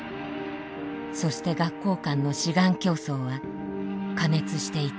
そして学校間の志願競争は過熱していった。